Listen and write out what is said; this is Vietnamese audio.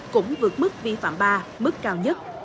cũng vượt mức vi phạm ba mức cao nhất